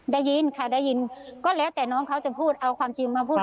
ได้ยินค่ะได้ยินก็แล้วแต่น้องเขาจะพูดเอาความจริงมาพูด